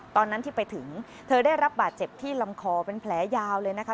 ตอนนั้นที่ไปถึงเธอได้รับบาดเจ็บที่ลำคอเป็นแผลยาวเลยนะคะ